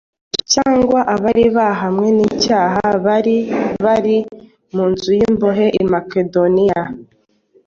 cyangwa abari barahamwe n’icyaha bari bari mu nzu y’imbohe i Makedoniya,